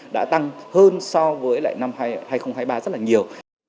đã tăng hơn so với lại năm hai nghìn hai mươi ba rất là nhiều